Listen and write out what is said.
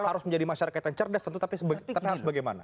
harus menjadi masyarakat yang cerdas tentu tapi harus bagaimana